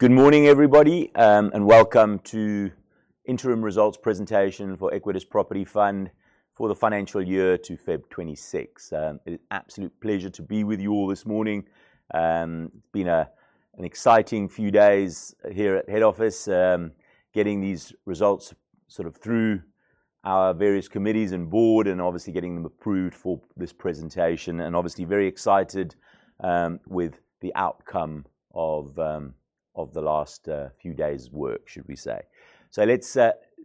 Good morning, everybody, and welcome to interim results presentation for Equites Property Fund for the financial year to February 2026. It's an absolute pleasure to be with you all this morning. It's been an exciting few days here at head office, getting these results sort of through our various committees and board and obviously getting them approved for this presentation and obviously very excited with the outcome of the last few days' work, should we say. Let's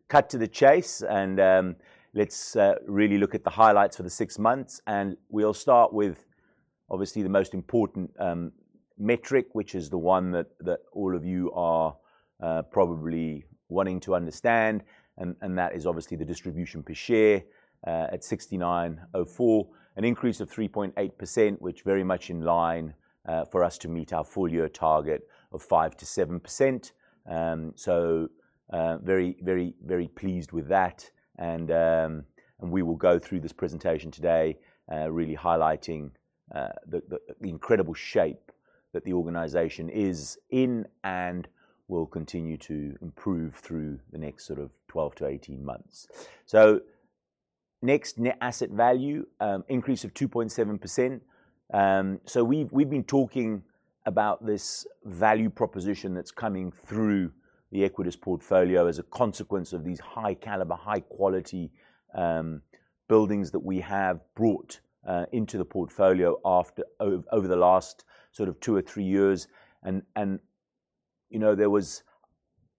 cut to the chase and let's really look at the highlights for the six months. We'll start with obviously the most important metric, which is the one that all of you are probably wanting to understand, and that is obviously the distribution per share at 69.04, an increase of 3.8% which very much in line for us to meet our full year target of 5%-7%. Very pleased with that and we will go through this presentation today, really highlighting the incredible shape that the organization is in and will continue to improve through the next sort of 12 to 18 months. Next, net asset value increase of 2.7%. We've been talking about this value proposition that's coming through the Equites portfolio as a consequence of these high caliber, high quality, buildings that we have brought into the portfolio over the last sort of two or three years. You know, there was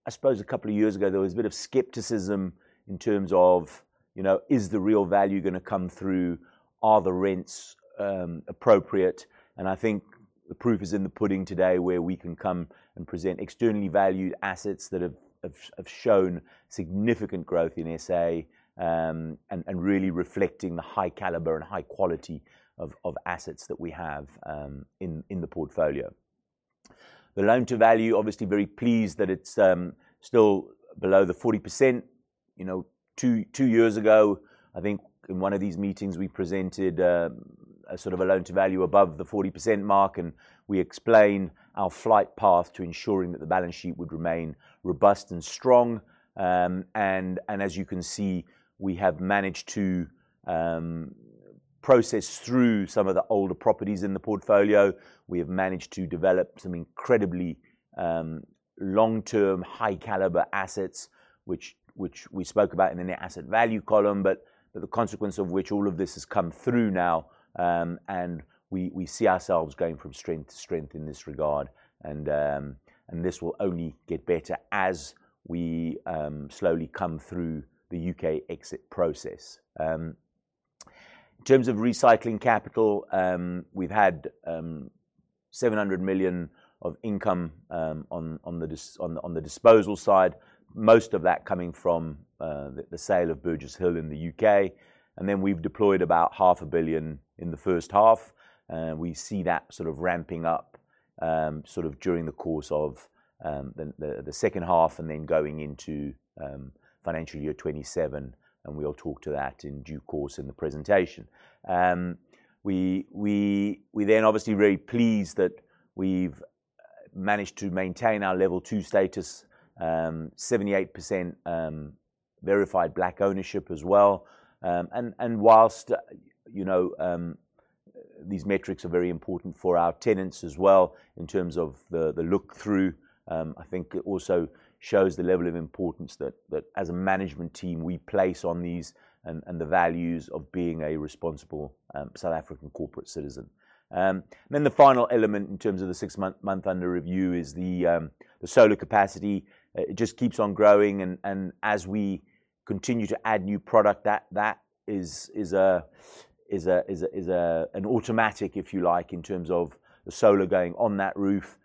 a bit of skepticism in terms of, you know, is the real value gonna come through? Are the rents appropriate? I think the proof is in the pudding today where we can come and present externally valued assets that have shown significant growth in SA, and really reflecting the high caliber and high quality of assets that we have in the portfolio. The loan to value, obviously very pleased that it's still below the 40%. You know, 2 years ago, I think in one of these meetings, we presented a sort of a loan to value above the 40% mark, and we explained our flight path to ensuring that the balance sheet would remain robust and strong. As you can see, we have managed to process through some of the older properties in the portfolio. We have managed to develop some incredibly long-term, high caliber assets, which we spoke about in the net asset value column, but the consequence of which all of this has come through now, and we see ourselves going from strength to strength in this regard. This will only get better as we slowly come through the U.K. exit process. In terms of recycling capital, we've had 700 million of income on the disposal side, most of that coming from the sale of Burgess Hill in the U.K. We've deployed about ZAR half a billion in the first half. We see that sort of ramping up sort of during the course of the second half and then going into financial year 2027, and we'll talk to that in due course in the presentation. We then obviously very pleased that we've managed to maintain our Level 2 status, 78% verified Black ownership as well. While, you know, these metrics are very important for our tenants as well in terms of the look through, I think it also shows the level of importance that as a management team, we place on these and the values of being a responsible South African corporate citizen. The final element in terms of the six-month under review is the solar capacity. It just keeps on growing and as we continue to add new product that is an automatic, if you like, in terms of the solar going on that roof.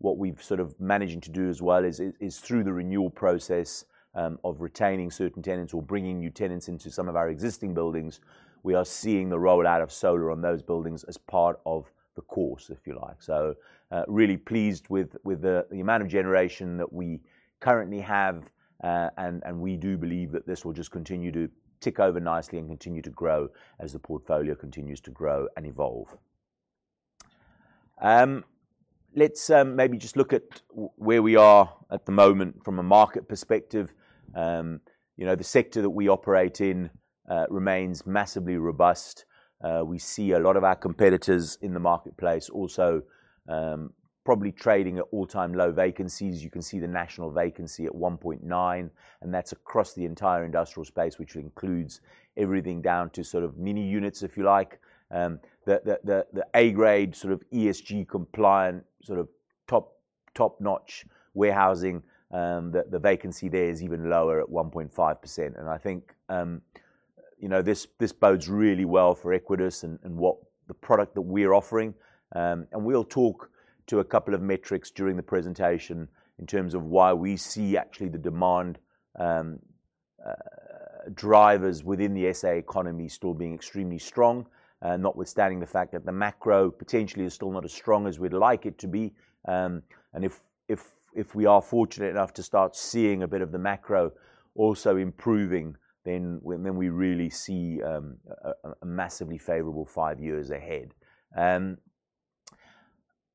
What we've sort of managing to do as well is through the renewal process of retaining certain tenants or bringing new tenants into some of our existing buildings. We are seeing the rollout of solar on those buildings as part of the course, if you like. Really pleased with the amount of generation that we currently have, and we do believe that this will just continue to tick over nicely and continue to grow as the portfolio continues to grow and evolve. Let's maybe just look at where we are at the moment from a market perspective. You know, the sector that we operate in remains massively robust. We see a lot of our competitors in the marketplace also probably trading at all-time low vacancies. You can see the national vacancy at 1.9%, and that's across the entire industrial space, which includes everything down to sort of mini units, if you like. The A-grade sort of ESG-compliant sort of top-notch warehousing, the vacancy there is even lower at 1.5%. I think, you know, this bodes really well for Equites and what the product that we're offering, and we'll talk to a couple of metrics during the presentation in terms of why we see actually the demand drivers within the SA economy still being extremely strong, notwithstanding the fact that the macro potentially is still not as strong as we'd like it to be. If we are fortunate enough to start seeing a bit of the macro also improving, we really see a massively favorable five years ahead.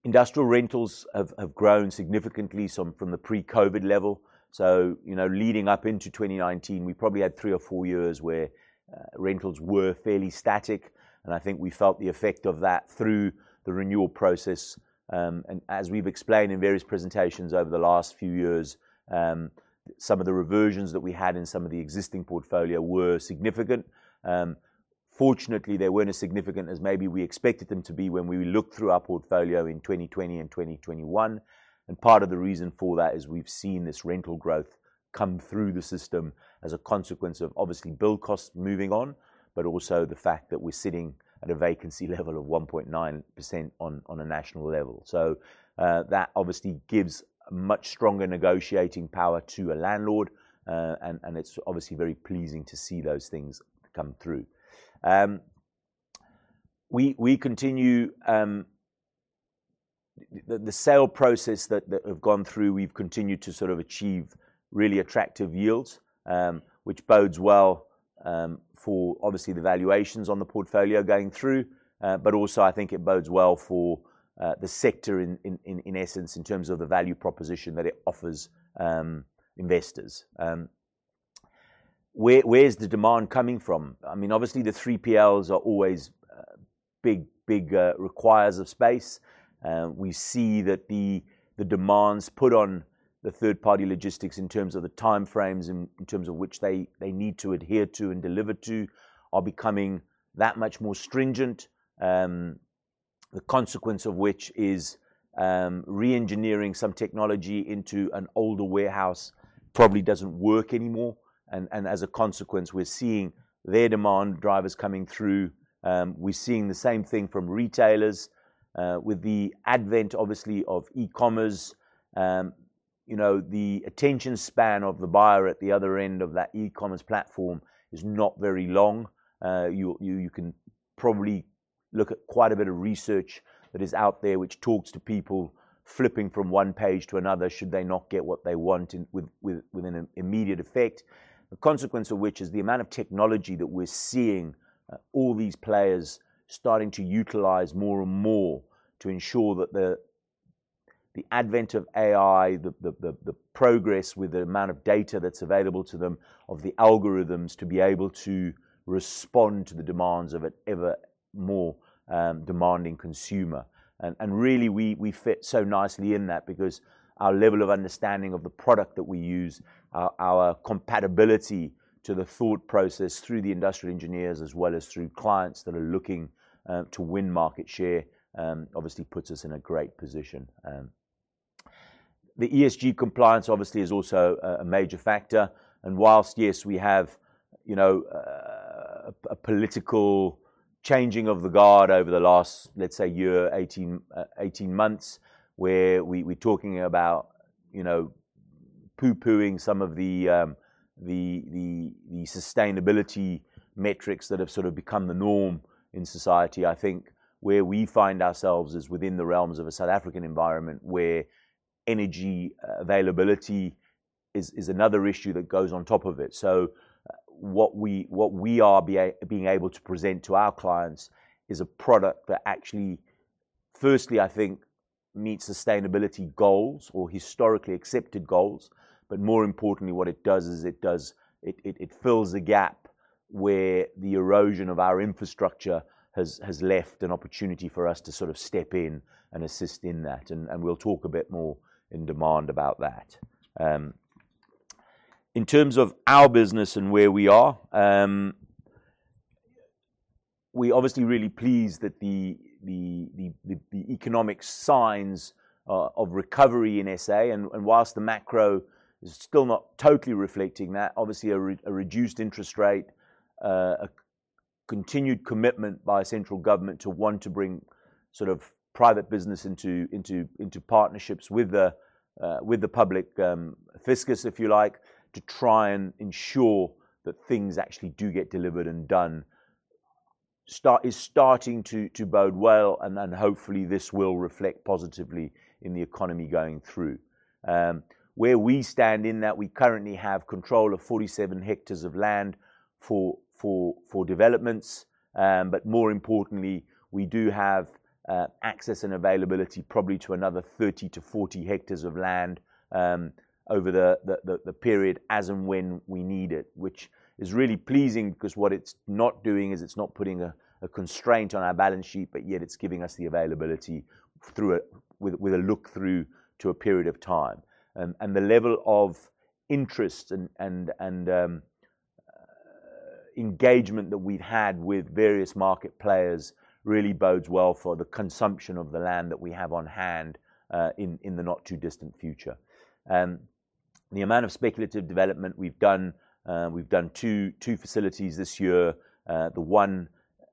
Industrial rentals have grown significantly since from the pre-COVID level. You know, leading up into 2019, we probably had three or four years where rentals were fairly static, and I think we felt the effect of that through the renewal process. As we've explained in various presentations over the last few years, some of the reversions that we had in some of the existing portfolio were significant. Fortunately, they weren't as significant as maybe we expected them to be when we looked through our portfolio in 2020 and 2021. Part of the reason for that is we've seen this rental growth come through the system as a consequence of obviously build costs moving on, but also the fact that we're sitting at a vacancy level of 1.9% on a national level. That obviously gives much stronger negotiating power to a landlord. It's obviously very pleasing to see those things come through. We continue the sale process that has gone through. We've continued to sort of achieve really attractive yields, which bodes well for obviously the valuations on the portfolio going through. Also I think it bodes well for the sector in essence, in terms of the value proposition that it offers investors. Where's the demand coming from? I mean, obviously the 3PLs are always big requirers of space. We see that the demands put on the third-party logistics in terms of the time frames, in terms of which they need to adhere to and deliver to are becoming that much more stringent. The consequence of which is reengineering some technology into an older warehouse probably doesn't work anymore. As a consequence, we're seeing their demand drivers coming through. We're seeing the same thing from retailers. With the advent, obviously, of e-commerce, you know, the attention span of the buyer at the other end of that e-commerce platform is not very long. You can probably look at quite a bit of research that is out there which talks to people flipping from one page to another should they not get what they want within an immediate effect. The consequence of which is the amount of technology that we're seeing, all these players starting to utilize more and more to ensure that the advent of AI, the progress with the amount of data that's available to them, of the algorithms to be able to respond to the demands of an ever more demanding consumer. Really, we fit so nicely in that because our level of understanding of the product that we use, our compatibility to the thought process through the industrial engineers as well as through clients that are looking to win market share obviously puts us in a great position. The ESG compliance obviously is also a major factor. While, yes, we have, you know, a political changing of the guard over the last, let's say, 18 months, where we're talking about, you know, poo-pooing some of the the sustainability metrics that have sort of become the norm in society. I think where we find ourselves is within the realms of a South African environment where energy availability is another issue that goes on top of it. What we are being able to present to our clients is a product that actually, firstly, I think, meets sustainability goals or historically accepted goals. More importantly, what it does is it does. It fills a gap where the erosion of our infrastructure has left an opportunity for us to sort of step in and assist in that, and we'll talk a bit more in detail about that. In terms of our business and where we are, we're obviously really pleased that the economic signs of recovery in SA, and whilst the macro is still not totally reflecting that, obviously a reduced interest rate, a continued commitment by central government to want to bring sort of private business into partnerships with the public fiscus, if you like, to try and ensure that things actually do get delivered and done. It is starting to bode well, and then hopefully this will reflect positively in the economy going through. Where we stand is that we currently have control of 47 hectares of land for developments. More importantly, we do have access and availability probably to another 30-40 hectares of land over the period as and when we need it, which is really pleasing because what it's not doing is it's not putting a constraint on our balance sheet, but yet it's giving us the availability through it with a look through to a period of time. The level of interest and engagement that we've had with various market players really bodes well for the consumption of the land that we have on hand in the not too distant future. The amount of speculative development we've done, we've done two facilities this year. The one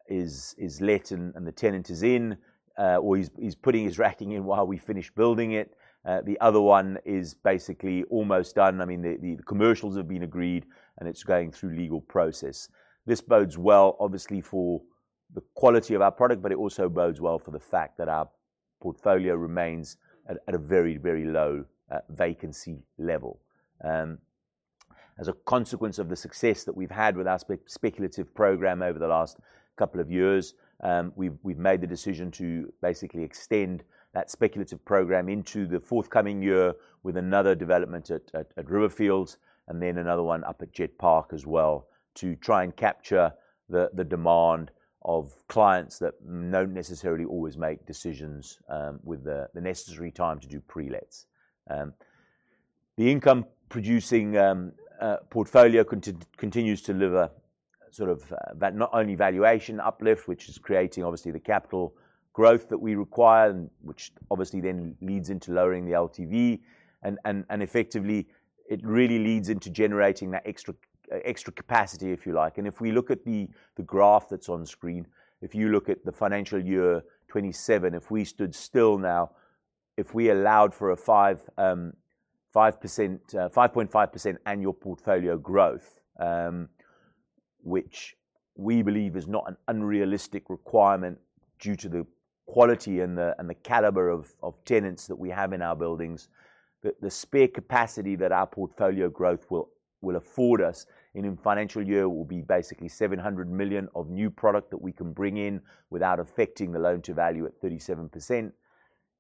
is let and the tenant is in, or he's putting his racking in while we finish building it. The other one is basically almost done. I mean, the commercials have been agreed and it's going through legal process. This bodes well, obviously for the quality of our product, but it also bodes well for the fact that our portfolio remains at a very low vacancy level. As a consequence of the success that we've had with our speculative program over the last couple of years, we've made the decision to basically extend that speculative program into the forthcoming year with another development at Riverfields, and then another one up at Jet Park as well, to try and capture the demand of clients that don't necessarily always make decisions with the necessary time to do pre-lets. The income producing portfolio continues to deliver sort of that not only valuation uplift, which is creating obviously the capital growth that we require and which obviously then leads into lowering the LTV and effectively it really leads into generating that extra capacity, if you like. If we look at the graph that's on screen, if you look at the financial year 2027, if we stood still now, if we allowed for a 5.5% annual portfolio growth, which we believe is not an unrealistic requirement due to the quality and the caliber of tenants that we have in our buildings, the spare capacity that our portfolio growth will afford us in financial year will be basically 700 million of new product that we can bring in without affecting the loan-to-value at 37%.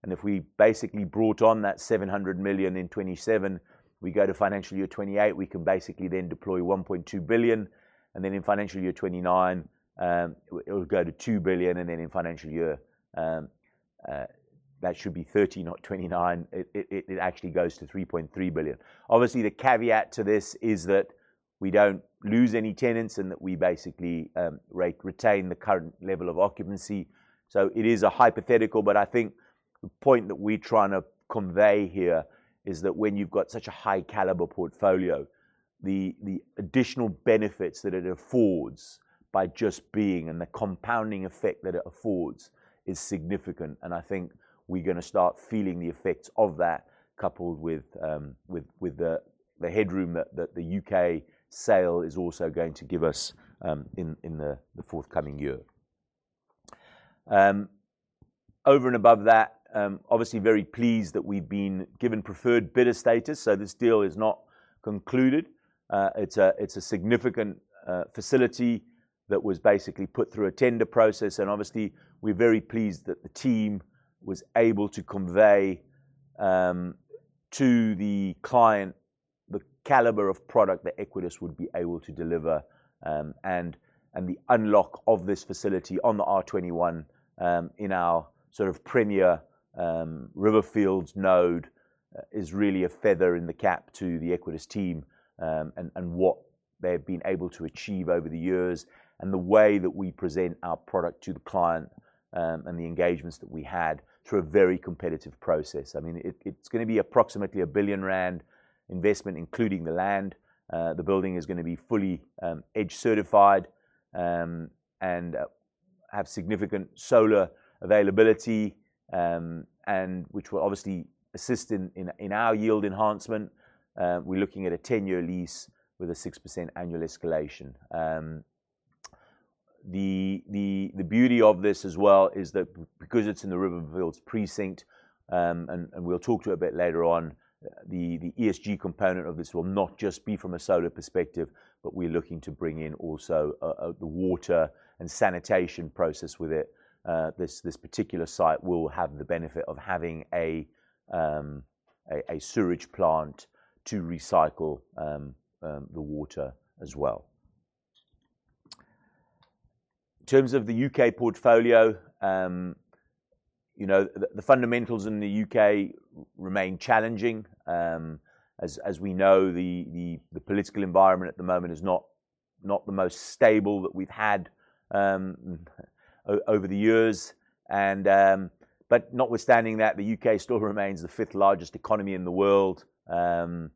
If we basically brought on that 700 million in 2027, we go to financial year 2028, we can basically then deploy 1.2 billion, and then in financial year 2029, it actually goes to 2 billion, and then in financial year, that should be 30, not 29, it actually goes to 3.3 billion. Obviously, the caveat to this is that we don't lose any tenants and that we basically retain the current level of occupancy. It is a hypothetical, but I think the point that we're trying to convey here is that when you've got such a high caliber portfolio, the additional benefits that it affords by just being and the compounding effect that it affords is significant. I think we're gonna start feeling the effects of that coupled with the headroom that the U.K. sale is also going to give us in the forthcoming year. Over and above that, obviously very pleased that we've been given preferred bidder status, so this deal is not concluded. It's a significant facility that was basically put through a tender process and obviously we're very pleased that the team was able to convey to the client the caliber of product that Equites would be able to deliver, and the unlock of this facility on the R21 in our sort of premier Riverfields node is really a feather in the cap to the Equites team, and what they've been able to achieve over the years and the way that we present our product to the client, and the engagements that we had through a very competitive process. I mean, it's gonna be approximately 1 billion rand investment, including the land. The building is gonna be fully EDGE certified, and have significant solar availability, and which will obviously assist in our yield enhancement. We're looking at a 10-year lease with a 6% annual escalation. The beauty of this as well is that because it's in the Riverfields precinct, and we'll talk to a bit later on, the ESG component of this will not just be from a solar perspective, but we're looking to bring in also the water and sanitation process with it. This particular site will have the benefit of having a sewage plant to recycle the water as well. In terms of the U.K. portfolio, you know, the fundamentals in the U.K. remain challenging. As we know, the political environment at the moment is not the most stable that we've had over the years, but notwithstanding that, the U.K. still remains the fifth largest economy in the world and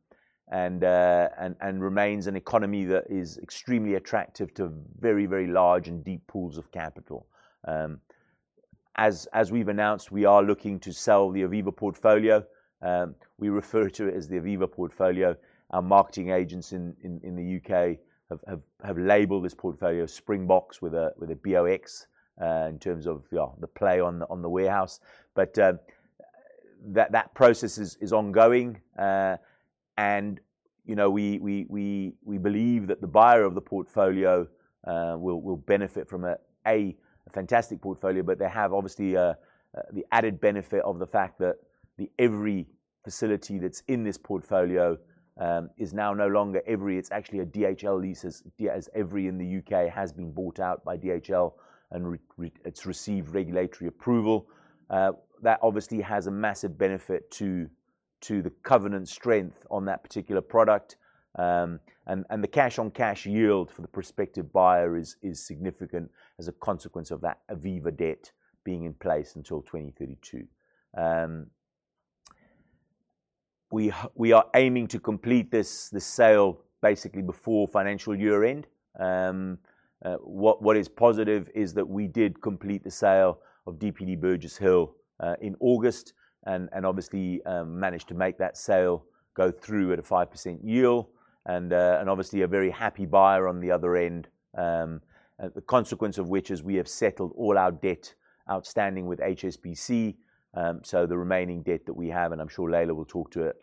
remains an economy that is extremely attractive to very large and deep pools of capital. As we've announced, we are looking to sell the Aviva portfolio. We refer to it as the Aviva portfolio. Our marketing agents in the U.K. have labeled this portfolio Springbox with a B-O-X in terms of yeah the play on the warehouse. That process is ongoing. You know, we believe that the buyer of the portfolio will benefit from a fantastic portfolio, but they have obviously the added benefit of the fact that the Evri facility that's in this portfolio is now no longer Evri. It's actually a DHL lease, yeah, as Evri in the UK has been bought out by DHL and it's received regulatory approval. That obviously has a massive benefit to the covenant strength on that particular product. And the cash-on-cash yield for the prospective buyer is significant as a consequence of that Aviva debt being in place until 2032. We are aiming to complete this sale basically before financial year-end. What is positive is that we did complete the sale of DPD Burgess Hill in August and obviously managed to make that sale go through at a 5% yield. Obviously a very happy buyer on the other end. The consequence of which is we have settled all our debt outstanding with HSBC. The remaining debt that we have, and I'm sure Leila will talk to it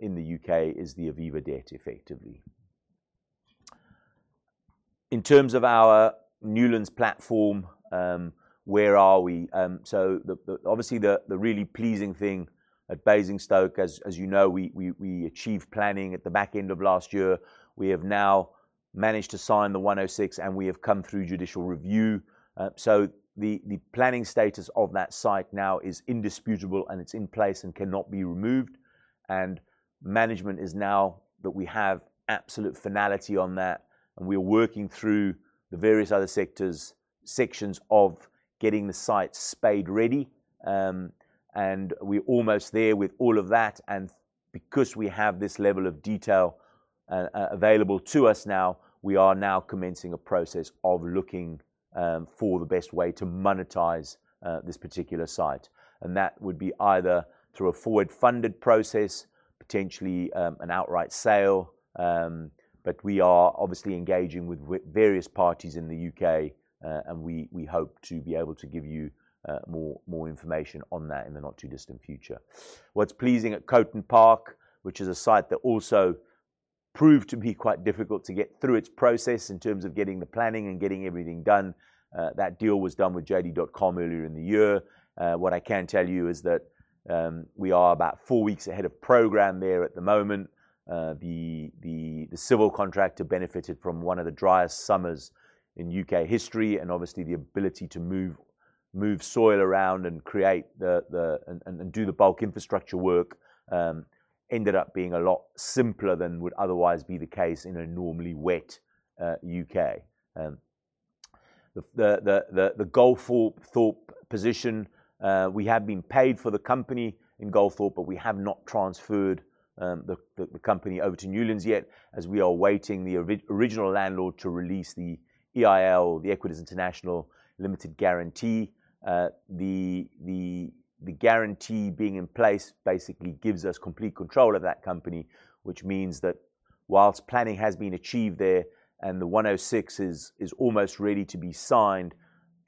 in the UK, is the Aviva debt effectively. In terms of our Newlands platform, where are we? The obviously really pleasing thing at Basingstoke, as you know, we achieved planning at the back end of last year. We have now managed to sign the 106 and we have come through judicial review. The planning status of that site now is indisputable, and it's in place and cannot be removed. Now that we have absolute finality on that, we are working through the various other sectors, sections of getting the site spade ready. We're almost there with all of that. Because we have this level of detail available to us now, we are now commencing a process of looking for the best way to monetize this particular site. That would be either through a forward-funded process, potentially, an outright sale. We are obviously engaging with various parties in the U.K., and we hope to be able to give you more information on that in the not too distant future. What's pleasing at Coton Park, which is a site that also proved to be quite difficult to get through its process in terms of getting the planning and getting everything done, that deal was done with JD.com earlier in the year. What I can tell you is that, we are about 4 weeks ahead of program there at the moment. The civil contractor benefited from one of the driest summers in U.K. history, and obviously the ability to move soil around and create the and do the bulk infrastructure work, ended up being a lot simpler than would otherwise be the case in a normally wet, U.K. The Goldthorpe position, we have been paid for the company in Goldthorpe, but we have not transferred the company over to Newlands yet as we are awaiting the original landlord to release the EIL, the Equites International Limited guarantee. The guarantee being in place basically gives us complete control of that company, which means that while planning has been achieved there and the 106 is almost ready to be signed,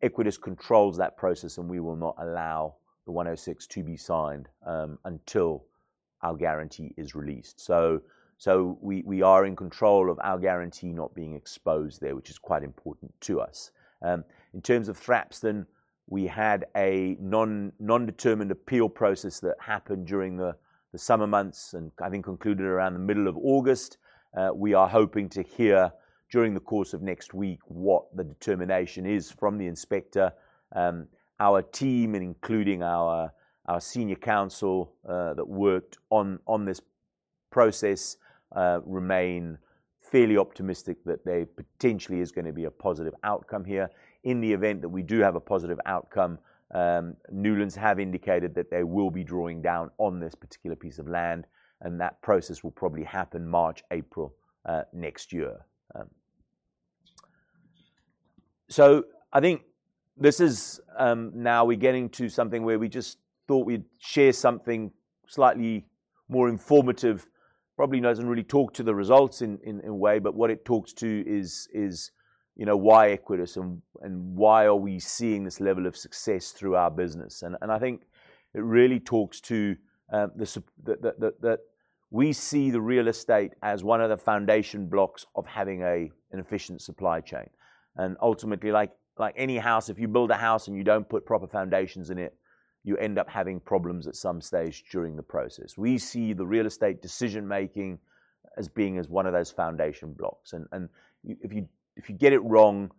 Equites controls that process, and we will not allow the 106 to be signed until our guarantee is released. We are in control of our guarantee not being exposed there, which is quite important to us. In terms of Thrapston, we had a non-determined appeal process that happened during the summer months and I think concluded around the middle of August. We are hoping to hear during the course of next week what the determination is from the inspector. Our team, including our senior counsel that worked on this process, remain fairly optimistic that there potentially is gonna be a positive outcome here. In the event that we do have a positive outcome, Newlands have indicated that they will be drawing down on this particular piece of land, and that process will probably happen March, April, next year. I think this is now we're getting to something where we just thought we'd share something slightly more informative. Probably doesn't really talk to the results in a way, but what it talks to is, you know, why Equites and why are we seeing this level of success through our business. I think it really talks to the fact that we see the real estate as one of the foundation blocks of having an efficient supply chain. Ultimately, like any house, if you build a house and you don't put proper foundations in it, you end up having problems at some stage during the process. We see the real estate decision-making as being as one of those foundation blocks. If you get it wrong,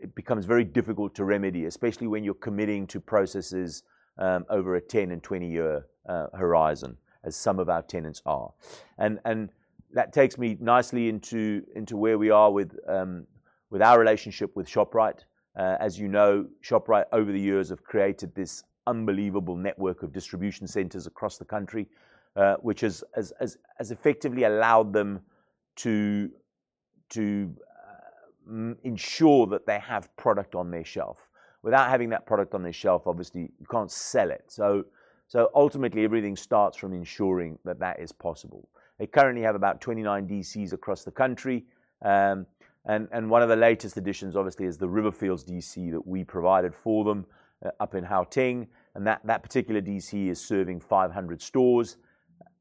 it becomes very difficult to remedy, especially when you're committing to processes over a 10- and 20-year horizon, as some of our tenants are. That takes me nicely into where we are with our relationship with Shoprite. As you know, Shoprite over the years have created this unbelievable network of distribution centers across the country, which has effectively allowed them to ensure that they have product on their shelf. Without having that product on their shelf, obviously you can't sell it. Ultimately everything starts from ensuring that that is possible. They currently have about 29 DCs across the country. One of the latest additions obviously is the Riverfields DC that we provided for them up in Gauteng, and that particular DC is serving 500 stores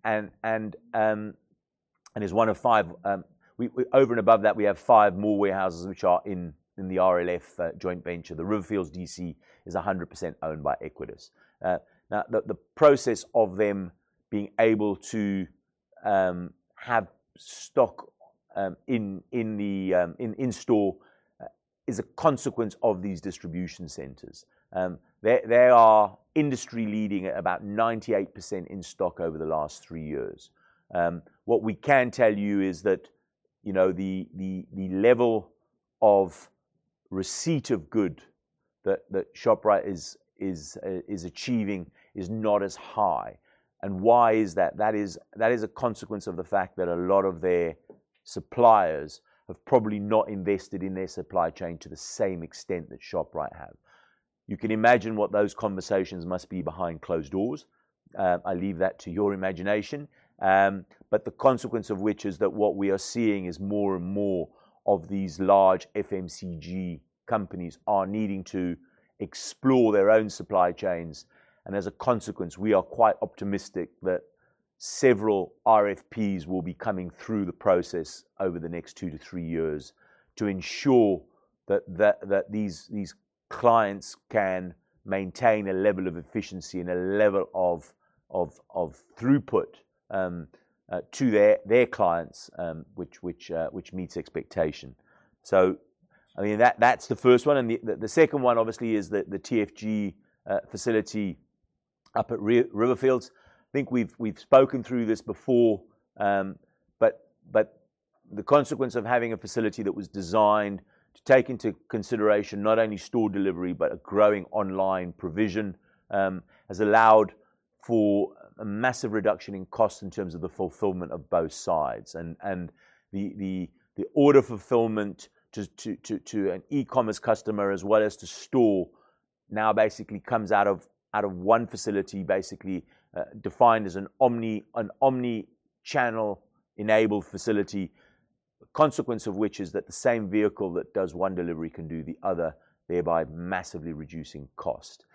and is one of five. Over and above that, we have five more warehouses which are in the RLF joint venture. The Riverfields DC is 100% owned by Equites. Now the process of them being able to have stock in store is a consequence of these distribution centers. They are industry leading at about 98% in stock over the last three years. What we can tell you is that, you know, the level of receipt of goods that Shoprite is achieving is not as high. Why is that? That is a consequence of the fact that a lot of their suppliers have probably not invested in their supply chain to the same extent that Shoprite have. You can imagine what those conversations must be behind closed doors. I leave that to your imagination. The consequence of which is that what we are seeing is more and more of these large FMCG companies are needing to explore their own supply chains, and as a consequence, we are quite optimistic that several RFPs will be coming through the process over the next 2-3 years to ensure that these clients can maintain a level of efficiency and a level of throughput to their clients, which meets expectation. I mean, that's the first one. The second one obviously is the TFG facility up at Riverfields. I think we've spoken through this before, but the consequence of having a facility that was designed to take into consideration not only store delivery but a growing online provision has allowed for a massive reduction in cost in terms of the fulfillment of both sides. The order fulfillment to an e-commerce customer as well as to store now basically comes out of one facility, basically defined as an omni-channel enabled facility. The consequence of which is that the same vehicle that does one delivery can do the other, thereby massively reducing cost.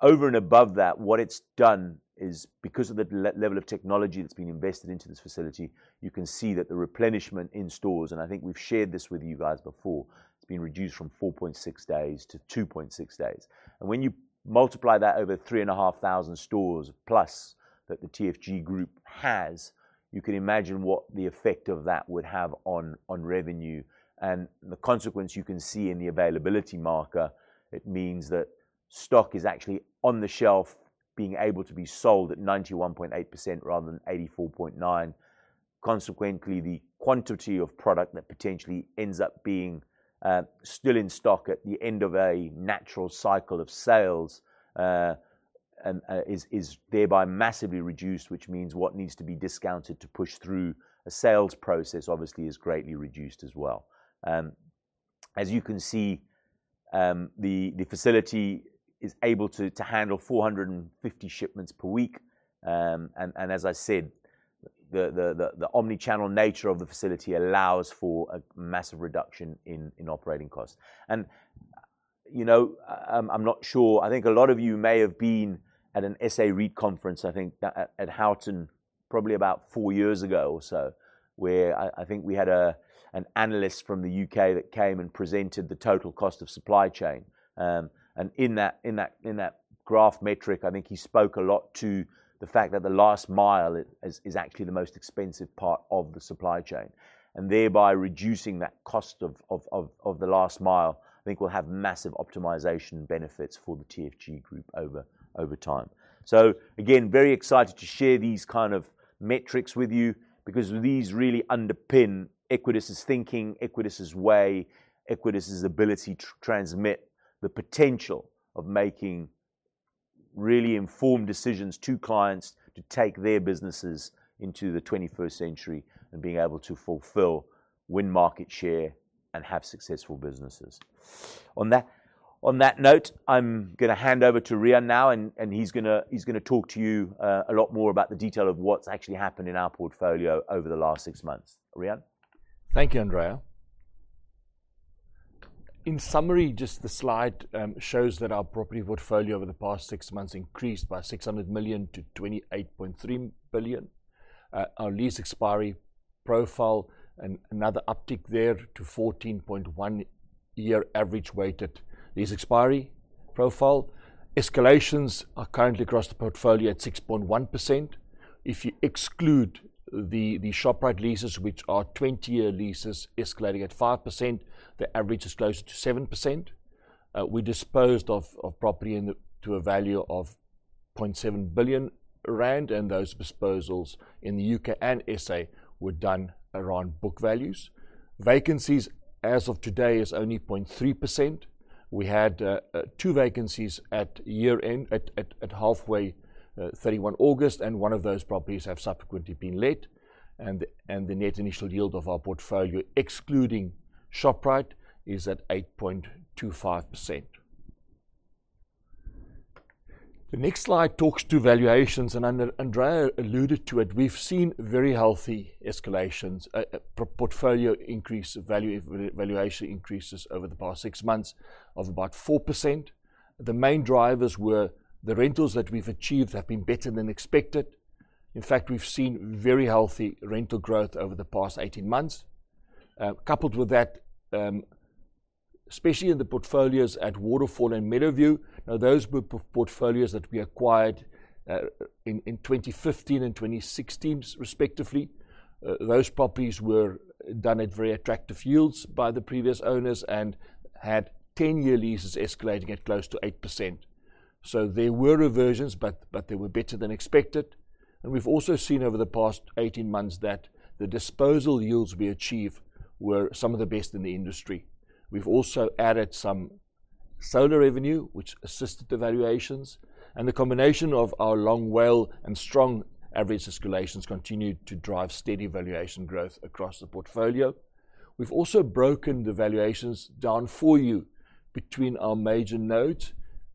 Over and above that, what it's done is because of the level of technology that's been invested into this facility, you can see that the replenishment in stores, and I think we've shared this with you guys before, it's been reduced from 4.6 days to 2.6 days. When you multiply that over 3,500 stores plus that the TFG group has, you can imagine what the effect of that would have on revenue. The consequence you can see in the availability metric, it means that stock is actually on the shelf being able to be sold at 91.8% rather than 84.9%. Consequently, the quantity of product that potentially ends up being still in stock at the end of a natural cycle of sales is thereby massively reduced, which means what needs to be discounted to push through a sales process obviously is greatly reduced as well. As you can see, the facility is able to handle 450 shipments per week. As I said, the omni-channel nature of the facility allows for a massive reduction in operating costs. You know, I'm not sure. I think a lot of you may have been at an SA REIT conference, I think at Houghton probably about four years ago or so, where I think we had an analyst from the U.K. that came and presented the total cost of supply chain. In that graph metric, I think he spoke a lot to the fact that the last mile is actually the most expensive part of the supply chain. Thereby, reducing that cost of the last mile, I think will have massive optimization benefits for the TFG Group over time. Again, very excited to share these kind of metrics with you because these really underpin Equites's thinking, Equites's way, Equites's ability to transmit the potential of making really informed decisions to clients to take their businesses into the twenty-first century and being able to fulfill, win market share, and have successful businesses. On that note, I'm gonna hand over to Riaan now, and he's gonna talk to you a lot more about the detail of what's actually happened in our portfolio over the last six months. Riaan? Thank you, Andrea. In summary, just the slide shows that our property portfolio over the past six months increased by 600 million to 28.3 billion. Our lease expiry profile, another uptick there to 14.1-year average weighted lease expiry profile. Escalations are currently across the portfolio at 6.1%. If you exclude the Shoprite leases, which are 20-year leases escalating at 5%, the average is closer to 7%. We disposed of property to a value of 0.7 billion rand, and those disposals in the U.K. and S.A. were done around book values. Vacancies as of today is only 0.3%. We had two vacancies at year-end, at halfway, 31 August, and one of those properties have subsequently been let. The net initial yield of our portfolio, excluding Shoprite, is at 8.25%. The next slide talks to valuations, and Andrea alluded to it. We've seen very healthy escalations, portfolio valuation increases over the past 6 months of about 4%. The main drivers were the rentals that we've achieved have been better than expected. In fact, we've seen very healthy rental growth over the past 18 months. Coupled with that, especially in the portfolios at Waterfall and Meadowview. Now, those portfolios that we acquired in 2015 and 2016, respectively, those properties were done at very attractive yields by the previous owners and had 10-year leases escalating at close to 8%. There were reversions, but they were better than expected. We've also seen over the past 18 months that the disposal yields we achieved were some of the best in the industry. We've also added some solar revenue, which assisted the valuations, and the combination of our long WALE and strong average escalations continued to drive steady valuation growth across the portfolio. We've also broken the valuations down for you between our major nodes.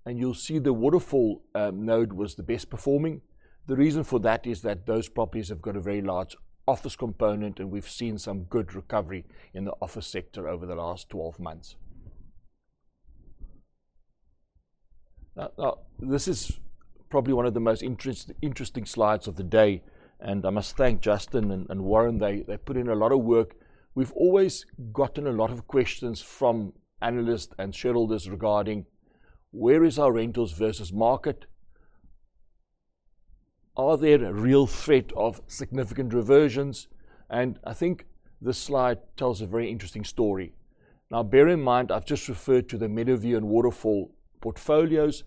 You'll see the Waterfall node was the best performing. The reason for that is that those properties have got a very large office component, and we've seen some good recovery in the office sector over the last 12 months. Now, this is probably one of the most interesting slides of the day, and I must thank Justin and Warren. They put in a lot of work. We've always gotten a lot of questions from analysts and shareholders regarding where is our rentals versus market? Are there real threat of significant reversions? I think this slide tells a very interesting story. Now bear in mind, I've just referred to the Meadowview and Waterfall portfolios.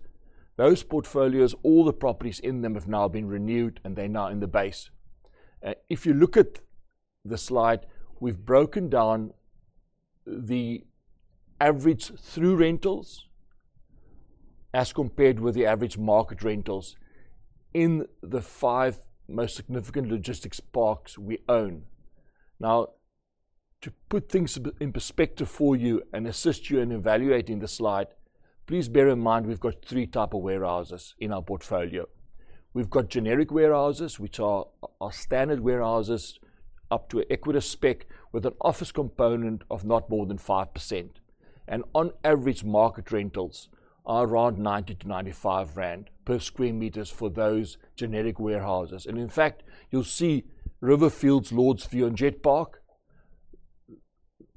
Those portfolios, all the properties in them have now been renewed, and they're now in the base. If you look at the slide, we've broken down the average true rentals as compared with the average market rentals in the five most significant logistics parks we own. Now, to put things a bit in perspective for you and assist you in evaluating the slide, please bear in mind we've got three type of warehouses in our portfolio. We've got generic warehouses, which are standard warehouses up to Equites spec with an office component of not more than 5%. On average, market rentals are around 90-95 rand per sq m for those generic warehouses. In fact, you'll see Riverfields, Lordsview and Jet Park.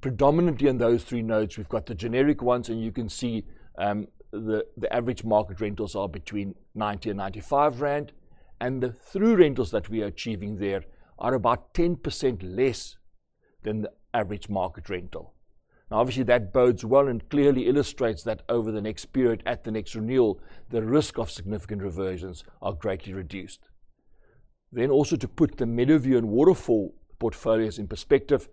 Predominantly in those 3 nodes, we've got the generic ones, and you can see the average market rentals are between 90 and 95 rand. The through rentals that we are achieving there are about 10% less than the average market rental. Now obviously, that bodes well and clearly illustrates that over the next period at the next renewal, the risk of significant reversions are greatly reduced. Also to put the Meadowview and Waterfall portfolios in perspective,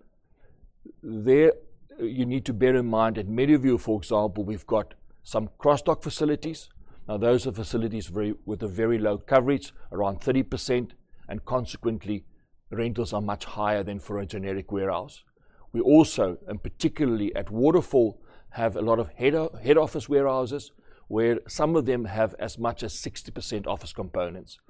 there you need to bear in mind at Meadowview, for example, we've got some cross-dock facilities. Now those are facilities with a very low coverage, around 30%, and consequently rentals are much higher than for a generic warehouse. We also, particularly at Waterfall, have a lot of head office warehouses, where some of them have as much as 60% office components.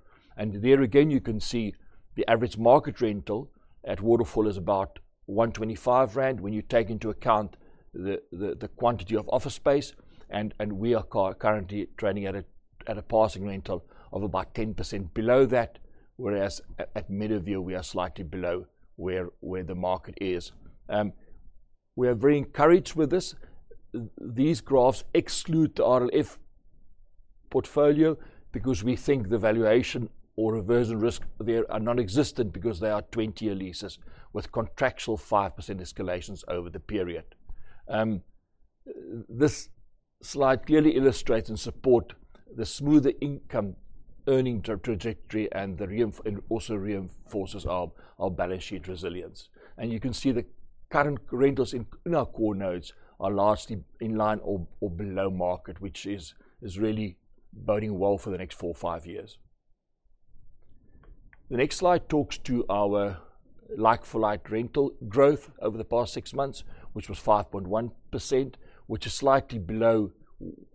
There again, you can see the average market rental at Waterfall is about 125 rand when you take into account the quantity of office space and we are currently trading at a passing rental of about 10% below that, whereas at Meadowview we are slightly below where the market is. We are very encouraged with this. These graphs exclude the RLF portfolio because we think the valuation or reversion risk there are nonexistent because they are 20-year leases with contractual 5% escalations over the period. This slide clearly illustrates and supports the smoother income earning trajectory and also reinforces our balance sheet resilience. You can see the current rentals in our core nodes are largely in line or below market, which is really boding well for the next four or five years. The next slide talks to our like-for-like rental growth over the past six months, which was 5.1%, which is slightly below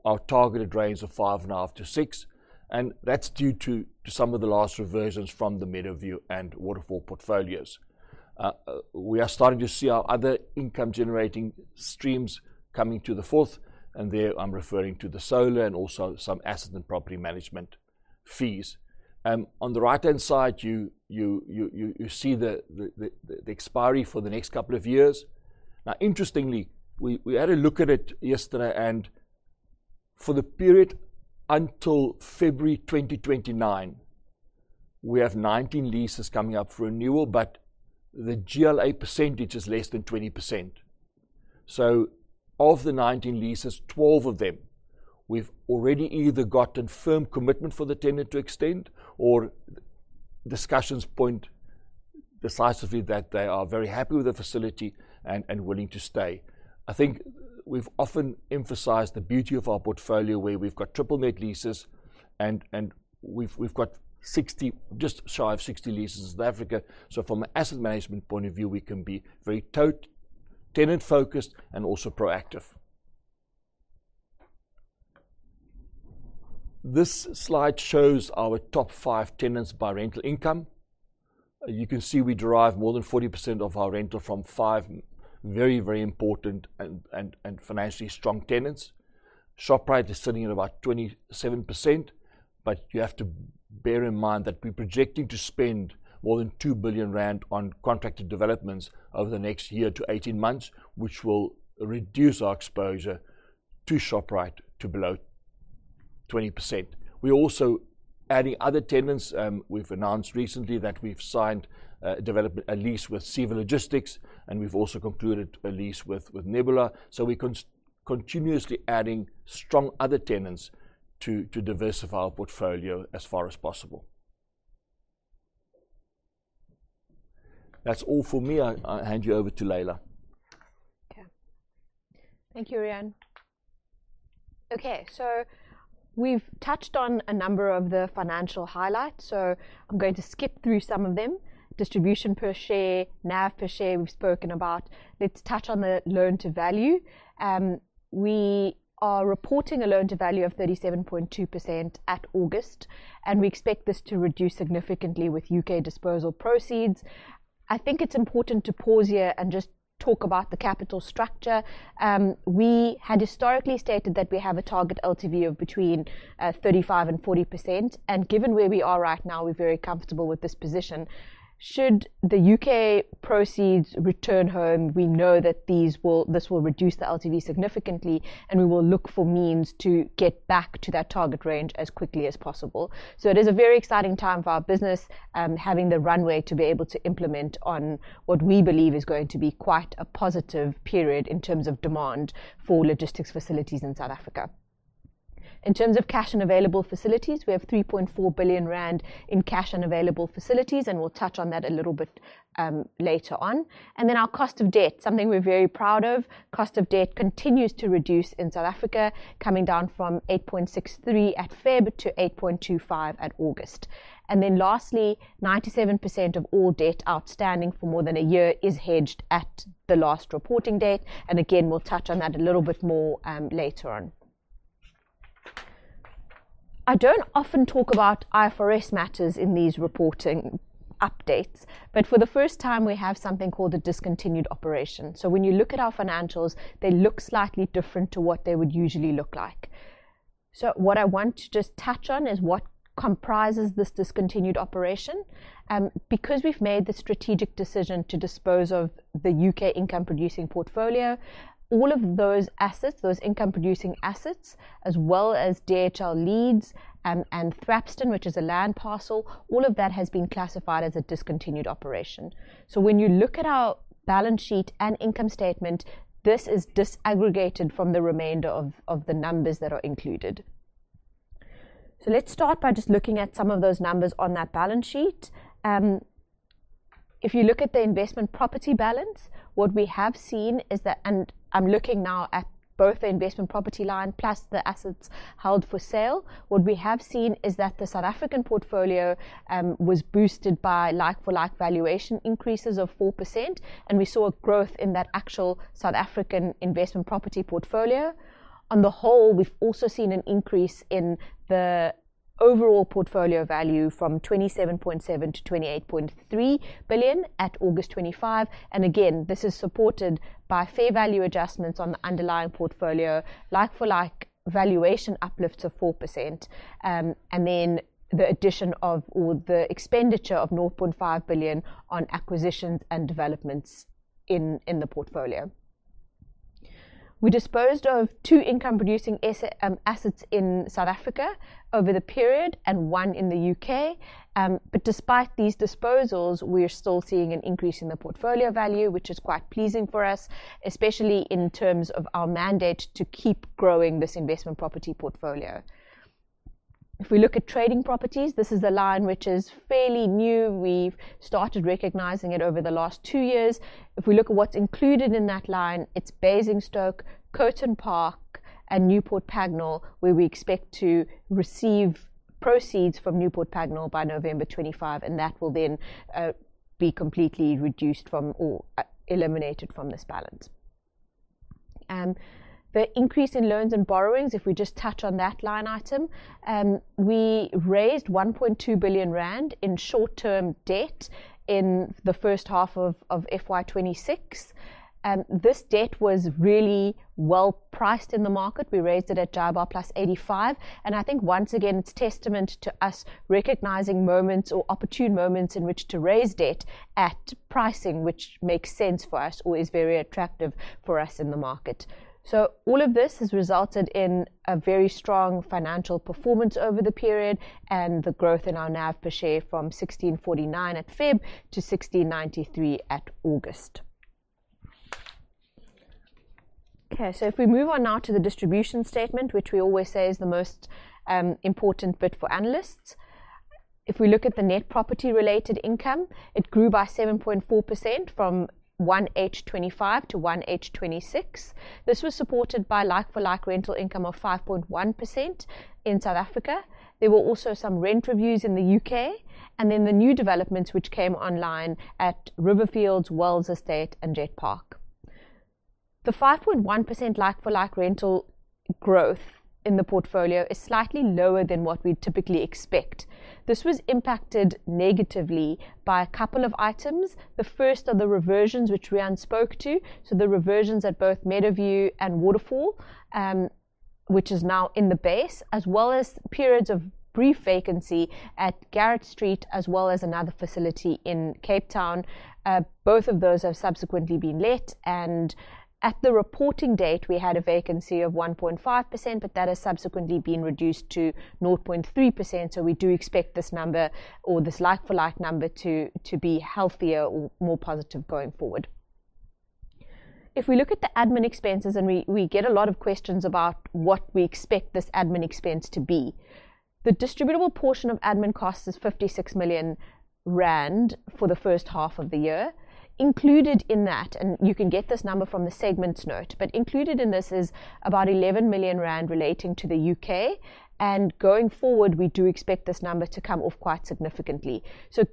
our targeted range of 5.5%-6%. That's due to some of the last reversions from the Meadowview and Waterfall portfolios. We are starting to see our other income generating streams coming to the fore, and there I'm referring to the solar and also some asset and property management fees. On the right-hand side, you see the expiry for the next couple of years. Now interestingly, we had a look at it yesterday and for the period until February 2029, we have 19 leases coming up for renewal, but the GLA percentage is less than 20%. Of the 19 leases, 12 of them we've already either gotten firm commitment for the tenant to extend or discussions point decisively that they are very happy with the facility and willing to stay. I think we've often emphasized the beauty of our portfolio, where we've got triple net leases and we've got 60, just shy of 60 leases in South Africa. From an asset management point of view, we can be very tenant-focused and also proactive. This slide shows our top 5 tenants by rental income. You can see we derive more than 40% of our rental from five very important and financially strong tenants. Shoprite is sitting at about 27%, but you have to bear in mind that we're projecting to spend more than 2 billion rand on contracted developments over the next year to eighteen months, which will reduce our exposure to Shoprite to below 20%. We're also adding other tenants. We've announced recently that we've signed a lease with CEVA Logistics, and we've also concluded a lease with Nebula. We continuously adding strong other tenants to diversify our portfolio as far as possible. That's all for me. I hand you over to Leila. Thank you, Riaan. Okay, we've touched on a number of the financial highlights, so I'm going to skip through some of them. Distribution per share, NAV per share, we've spoken about. Let's touch on the loan to value. We are reporting a loan to value of 37.2% at August, and we expect this to reduce significantly with U.K. disposal proceeds. I think it's important to pause here and just talk about the capital structure. We had historically stated that we have a target LTV of between 35%-40%. Given where we are right now, we're very comfortable with this position. Should the U.K. proceeds return home, we know that this will reduce the LTV significantly, and we will look for means to get back to that target range as quickly as possible. It is a very exciting time for our business, having the runway to be able to implement on what we believe is going to be quite a positive period in terms of demand for logistics facilities in South Africa. In terms of cash and available facilities, we have 3.4 billion rand in cash and available facilities, and we'll touch on that a little bit later on. Our cost of debt, something we're very proud of. Cost of debt continues to reduce in South Africa, coming down from 8.63 at February to 8.25 at August. Lastly, 97% of all debt outstanding for more than a year is hedged at the last reporting date and again, we'll touch on that a little bit more later on. I don't often talk about IFRS matters in these reporting updates, but for the first time, we have something called a discontinued operation. When you look at our financials, they look slightly different to what they would usually look like. What I want to just touch on is what comprises this discontinued operation. Because we've made the strategic decision to dispose of the U.K. income producing portfolio, all of those assets, those income producing assets, as well as DHL Leeds, and Thrapston, which is a land parcel, all of that has been classified as a discontinued operation. When you look at our balance sheet and income statement, this is disaggregated from the remainder of the numbers that are included. Let's start by just looking at some of those numbers on that balance sheet. If you look at the investment property balance, what we have seen is that, and I'm looking now at both the investment property line plus the assets held for sale. What we have seen is that the South African portfolio was boosted by like-for-like valuation increases of 4%, and we saw a growth in that actual South African investment property portfolio. On the whole, we've also seen an increase in the overall portfolio value from 27.7 billion-28.3 billion at August 2025. Again, this is supported by fair value adjustments on the underlying portfolio, like-for-like valuation uplifts of 4%, and then the addition of all the expenditure of north of 0.5 billion on acquisitions and developments in the portfolio. We disposed of 2 income producing assets in South Africa over the period and 1 in the U.K. Despite these disposals, we're still seeing an increase in the portfolio value, which is quite pleasing for us, especially in terms of our mandate to keep growing this investment property portfolio. If we look at trading properties, this is a line which is fairly new. We've started recognizing it over the last two years. If we look at what's included in that line, it's Basingstoke, Coton Park, and Newport Pagnell, where we expect to receive proceeds from Newport Pagnell by November 25, and that will then be completely reduced from or eliminated from this balance. The increase in loans and borrowings, if we just touch on that line item, we raised 1.2 billion rand in short-term debt in the first half of FY 2026. This debt was really well priced in the market. We raised it at JIBAR plus 85, and I think once again it's testament to us recognizing moments or opportune moments in which to raise debt at pricing, which makes sense for us or is very attractive for us in the market. All of this has resulted in a very strong financial performance over the period and the growth in our NAV per share from 1,649 at February to 1,693 at August. Okay, if we move on now to the distribution statement, which we always say is the most important bit for analysts. If we look at the net property-related income, it grew by 7.4% from 1H 2025 to 1H 2026. This was supported by like-for-like rental income of 5.1% in South Africa. There were also some rent reviews in the U.K. and then the new developments which came online at Riverfields, Wells Estate and Jet Park. The 5.1% like-for-like rental growth in the portfolio is slightly lower than what we'd typically expect. This was impacted negatively by a couple of items. The first are the reversions which Riaan spoke to, so the reversions at both Meadowview and Waterfall, which is now in the base, as well as periods of brief vacancy at Garratt Street, as well as another facility in Cape Town. Both of those have subsequently been let, and at the reporting date, we had a vacancy of 1.5%, but that has subsequently been reduced to 0.3%, so we do expect this number or this like-for-like number to be healthier or more positive going forward. If we look at the admin expenses, we get a lot of questions about what we expect this admin expense to be. The distributable portion of admin costs is 56 million rand for the first half of the year. Included in that, you can get this number from the segments note, but included in this is about 11 million rand relating to the U.K. Going forward, we do expect this number to come off quite significantly.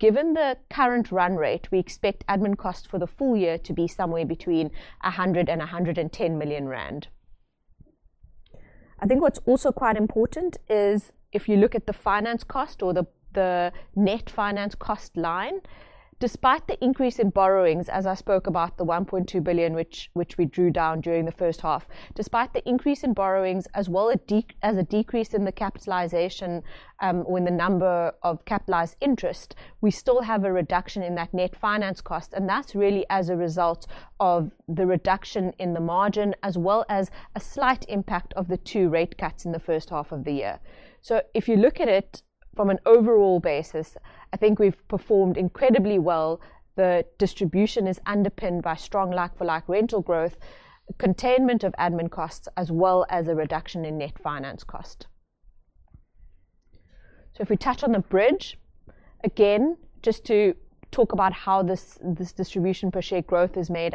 Given the current run rate, we expect admin costs for the full year to be somewhere between 100 million and 110 million rand. I think what's also quite important is if you look at the finance cost or the net finance cost line, despite the increase in borrowings, as I spoke about, the 1.2 billion which we drew down during the first half. Despite the increase in borrowings as well as a decrease in the capitalization, when the number of capitalized interest, we still have a reduction in that net finance cost, and that's really as a result of the reduction in the margin, as well as a slight impact of the two rate cuts in the first half of the year. If you look at it from an overall basis, I think we've performed incredibly well. The distribution is underpinned by strong like-for-like rental growth, containment of admin costs, as well as a reduction in net finance cost. If we touch on the bridge, again, just to talk about how this distribution per share growth is made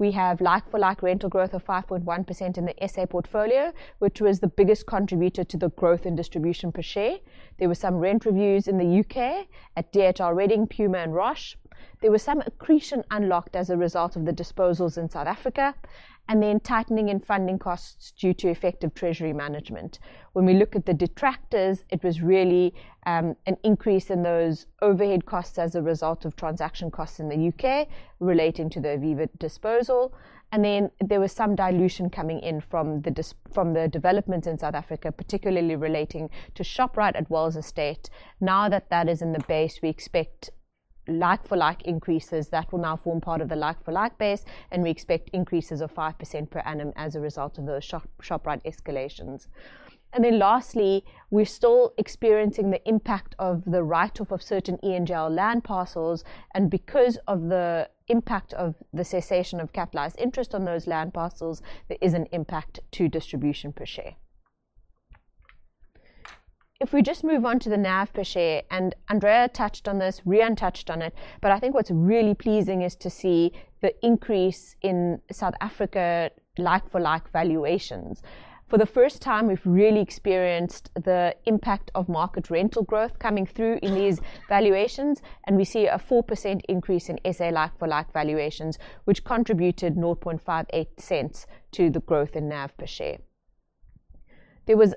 up. We have like-for-like rental growth of 5.1% in the SA portfolio, which was the biggest contributor to the growth in distribution per share. There were some rent reviews in the UK at DHL, Reading, Puma, and Roche. There was some accretion unlocked as a result of the disposals in South Africa, and then tightening in funding costs due to effective treasury management. When we look at the detractors, it was really an increase in those overhead costs as a result of transaction costs in the UK relating to the Aviva disposal. Then there was some dilution coming in from the development in South Africa, particularly relating to Shoprite at Wells Estate. Now that is in the base, we expect like-for-like increases that will now form part of the like-for-like base, and we expect increases of 5% per annum as a result of those Shoprite escalations. Lastly, we're still experiencing the impact of the write-off of certain E&JL land parcels, and because of the impact of the cessation of capitalized interest on those land parcels, there is an impact to distribution per share. If we just move on to the NAV per share, and Andrea touched on this, Rian touched on it, but I think what's really pleasing is to see the increase in South Africa like-for-like valuations. For the first time, we've really experienced the impact of market rental growth coming through in these valuations, and we see a 4% increase in SA like-for-like valuations, which contributed 0.58 cents to the growth in NAV per share. There was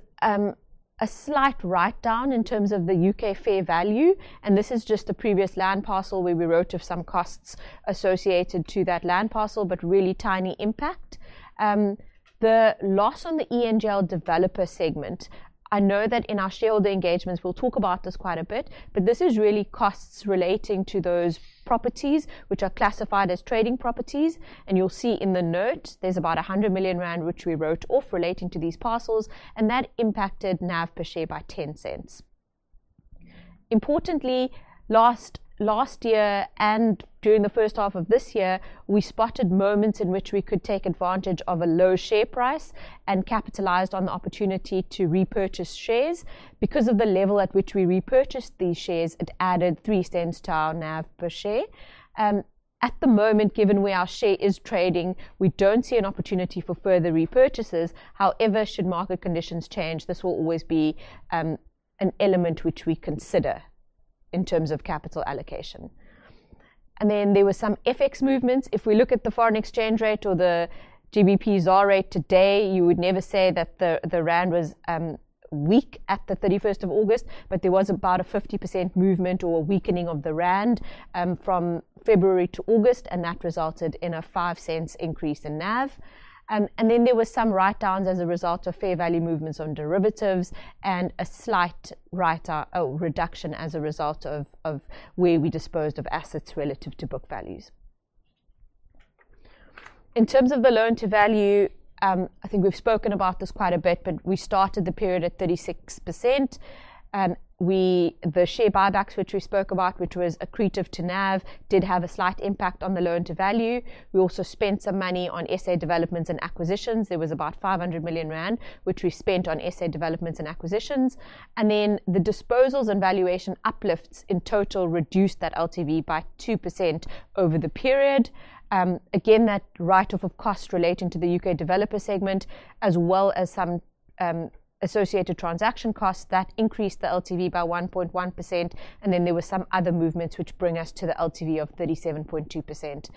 a slight write-down in terms of the U.K. fair value, and this is just a previous land parcel where we wrote off some costs associated to that land parcel, but really tiny impact. The loss on the E&JL developer segment, I know that in our shareholder engagements we'll talk about this quite a bit, but this is really costs relating to those properties which are classified as trading properties. You'll see in the note, there's about 100 million rand which we wrote off relating to these parcels, and that impacted NAV per share by 0.10. Importantly, last year and during the first half of this year, we spotted moments in which we could take advantage of a low share price and capitalized on the opportunity to repurchase shares. Because of the level at which we repurchased these shares, it added 0.03 to our NAV per share. At the moment, given where our share is trading, we don't see an opportunity for further repurchases. However, should market conditions change, this will always be an element which we consider in terms of capital allocation. There were some FX movements. If we look at the foreign exchange rate or the GBP ZAR rate today, you would never say that the rand was weak at the 31st of August, but there was about a 50% movement or weakening of the rand from February to August, and that resulted in a 0.05 increase in NAV. There were some write-downs as a result of fair value movements on derivatives and a slight write-down. Reduction as a result of where we disposed of assets relative to book values. In terms of the loan to value, I think we've spoken about this quite a bit, but we started the period at 36%. The share buybacks which we spoke about, which was accretive to NAV, did have a slight impact on the loan to value. We also spent some money on SA developments and acquisitions. There was about 500 million rand, which we spent on SA developments and acquisitions. The disposals and valuation uplifts in total reduced that LTV by 2% over the period. That write-off of cost relating to the UK developer segment, as well as some associated transaction costs, increased the LTV by 1.1%. There were some other movements which bring us to the LTV of 37.2%.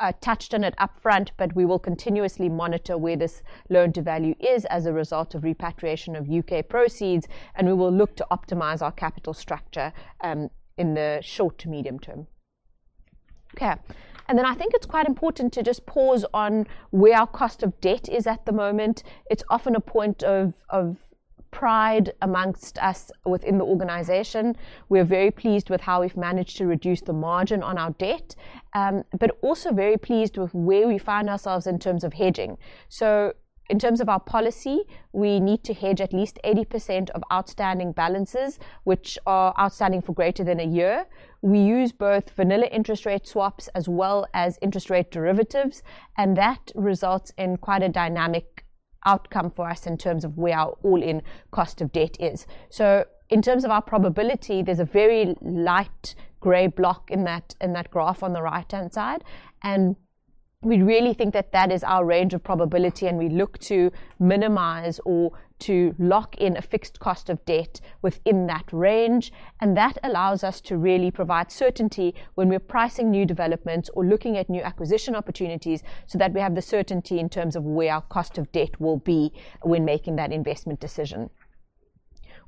I touched on it up front, but we will continuously monitor where this loan to value is as a result of repatriation of U.K. proceeds, and we will look to optimize our capital structure, in the short to medium term. Okay. I think it's quite important to just pause on where our cost of debt is at the moment. It's often a point of pride amongst us within the organization. We're very pleased with how we've managed to reduce the margin on our debt, but also very pleased with where we find ourselves in terms of hedging. So in terms of our policy, we need to hedge at least 80% of outstanding balances, which are outstanding for greater than a year. We use both vanilla interest rate swaps as well as interest rate derivatives, and that results in quite a dynamic outcome for us in terms of where our all-in cost of debt is. In terms of our probability, there's a very light gray block in that, in that graph on the right-hand side, and we really think that that is our range of probability, and we look to minimize or to lock in a fixed cost of debt within that range. That allows us to really provide certainty when we're pricing new developments or looking at new acquisition opportunities, so that we have the certainty in terms of where our cost of debt will be when making that investment decision.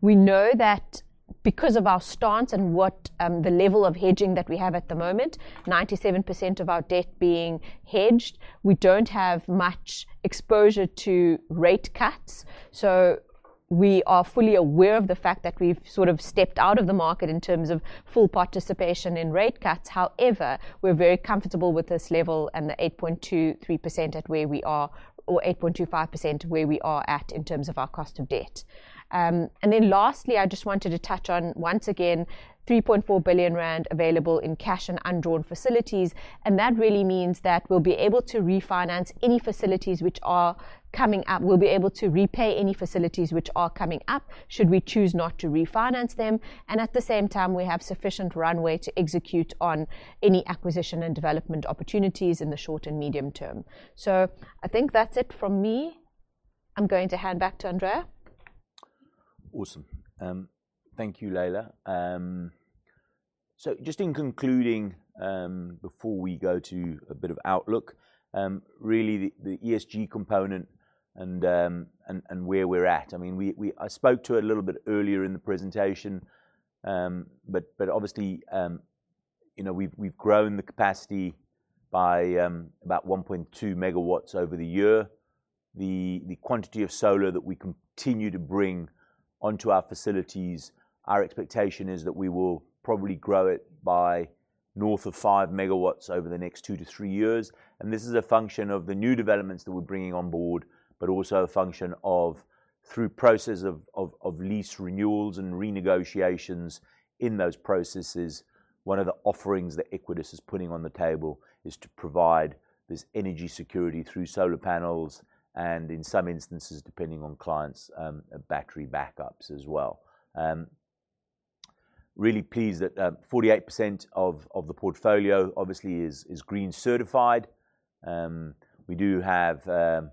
We know that because of our stance and what the level of hedging that we have at the moment, 97% of our debt being hedged, we don't have much exposure to rate cuts. We are fully aware of the fact that we've sort of stepped out of the market in terms of full participation in rate cuts. However, we're very comfortable with this level and the 8.23% at where we are, or 8.25% where we are at in terms of our cost of debt. And then lastly, I just wanted to touch on, once again, 3.4 billion rand available in cash and undrawn facilities, and that really means that we'll be able to refinance any facilities which are coming up. We'll be able to repay any facilities which are coming up, should we choose not to refinance them, and at the same time, we have sufficient runway to execute on any acquisition and development opportunities in the short and medium term. I think that's it from me. I'm going to hand back to Andrea. Awesome. Thank you, Leila. So just in concluding, before we go to a bit of outlook, really the ESG component and where we're at. I mean, I spoke to it a little bit earlier in the presentation, but obviously, you know, we've grown the capacity by about 1.2 MW over the year. The quantity of solar that we continue to bring onto our facilities, our expectation is that we will probably grow it by north of 5 MW over the next two to three years. This is a function of the new developments that we're bringing on board, but also a function of through process of lease renewals and renegotiations. In those processes, one of the offerings that Equites is putting on the table is to provide this energy security through solar panels and, in some instances, depending on clients, battery backups as well. Really pleased that 48% of the portfolio obviously is LEED certified. We do have an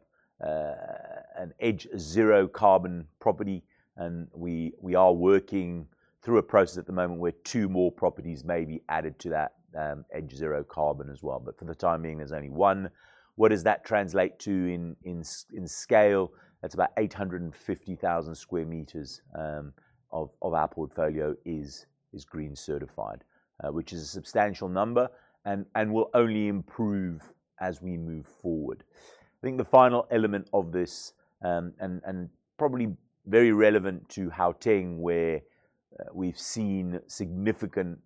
EDGE Zero Carbon property, and we are working through a process at the moment where two more properties may be added to that EDGE Zero Carbon as well. For the time being, there's only one. What does that translate to in scale? That's about 850,000 sq m of our portfolio is LEED certified, which is a substantial number and will only improve as we move forward. I think the final element of this and probably very relevant to Gauteng, where we've seen significant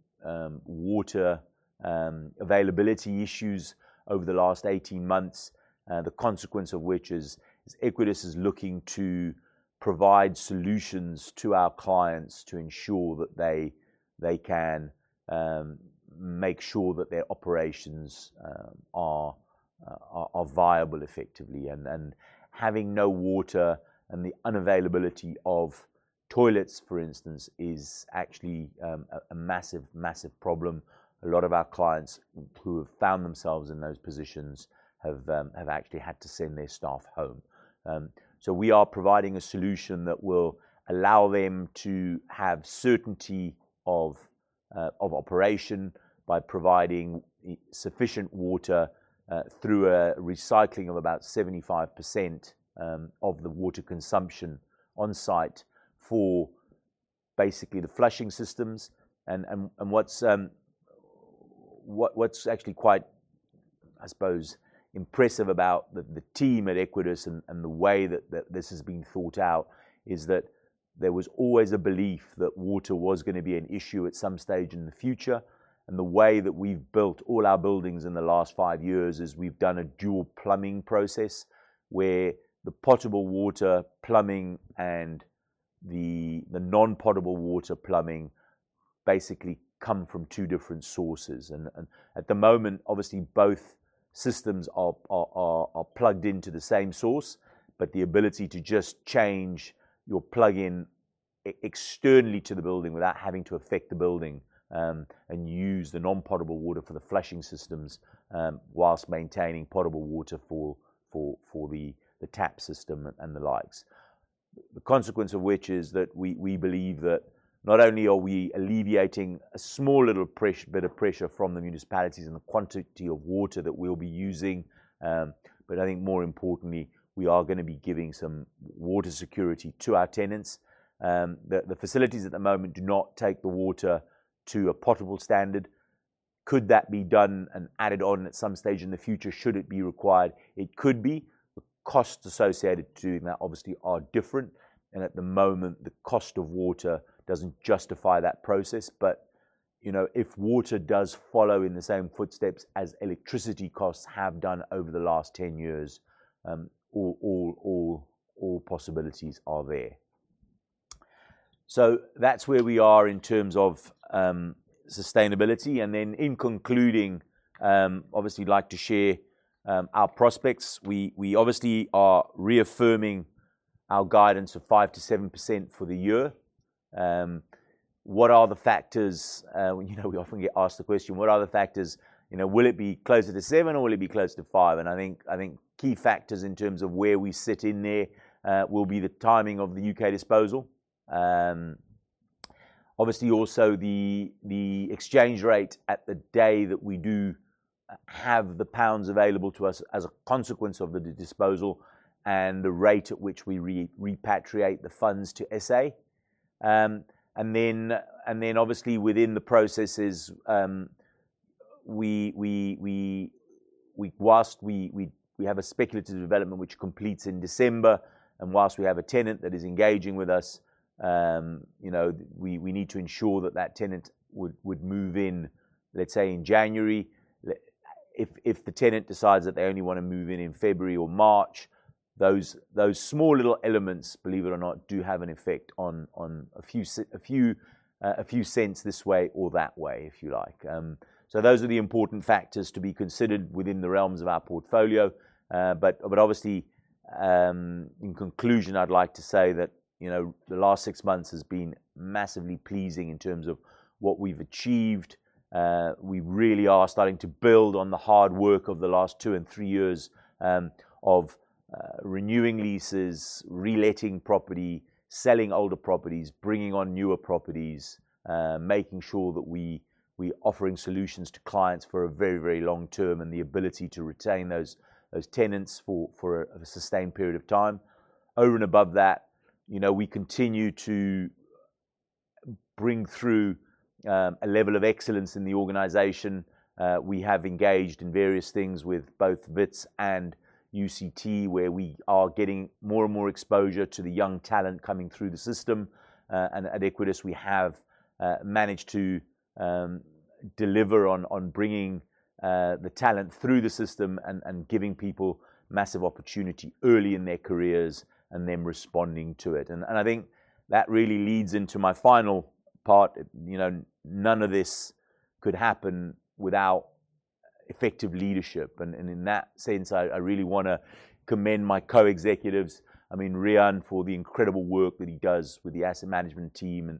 water availability issues over the last 18 months, the consequence of which is Equites is looking to provide solutions to our clients to ensure that they can make sure that their operations are viable effectively. Having no water and the unavailability of toilets, for instance, is actually a massive problem. A lot of our clients who have found themselves in those positions have actually had to send their staff home. We are providing a solution that will allow them to have certainty of operation by providing sufficient water through a recycling of about 75% of the water consumption on site for basically the flushing systems. What's actually quite, I suppose, impressive about the team at Equites and the way that this has been thought out is that there was always a belief that water was gonna be an issue at some stage in the future. The way that we've built all our buildings in the last five years is we've done a dual plumbing process, where the potable water plumbing and the non-potable water plumbing basically come from two different sources. At the moment, obviously, both systems are plugged into the same source, but the ability to just change your plug in externally to the building without having to affect the building and use the non-potable water for the flushing systems while maintaining potable water for the tap system and the likes. The consequence of which is that we believe that not only are we alleviating a small little bit of pressure from the municipalities and the quantity of water that we'll be using, but I think more importantly, we are gonna be giving some water security to our tenants. The facilities at the moment do not take the water to a potable standard. Could that be done and added on at some stage in the future should it be required? It could be. The costs associated to that obviously are different, and at the moment, the cost of water doesn't justify that process. You know, if water does follow in the same footsteps as electricity costs have done over the last 10 years, all possibilities are there. That's where we are in terms of sustainability. In concluding, obviously like to share our prospects. We obviously are reaffirming our guidance of 5%-7% for the year. What are the factors, you know, we often get asked the question, "What are the factors?" You know, will it be closer to seven or will it be closer to five? I think key factors in terms of where we sit in there will be the timing of the U.K. disposal. Obviously also the exchange rate at the day that we do have the pounds available to us as a consequence of the disposal and the rate at which we repatriate the funds to SA. Obviously within the processes, we While we have a speculative development which completes in December, and while we have a tenant that is engaging with us, you know, we need to ensure that that tenant would move in, let's say in January. If the tenant decides that they only wanna move in in February or March, those small little elements, believe it or not, do have an effect on a few cents this way or that way, if you like. Those are the important factors to be considered within the realms of our portfolio. Obviously, in conclusion, I'd like to say that, you know, the last six months has been massively pleasing in terms of what we've achieved. We really are starting to build on the hard work of the last two and three years, renewing leases, reletting property, selling older properties, bringing on newer properties, making sure that we're offering solutions to clients for a very, very long term, and the ability to retain those tenants for a sustained period of time. Over and above that, we continue to bring through a level of excellence in the organization. We have engaged in various things with both Wits and UCT, where we are getting more and more exposure to the young talent coming through the system. At Equites, we have managed to deliver on bringing the talent through the system and giving people massive opportunity early in their careers and them responding to it. I think that really leads into my final part. You know, none of this could happen without effective leadership. In that sense, I really wanna commend my co-executives. I mean, Rian for the incredible work that he does with the asset management team